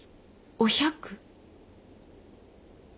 お百？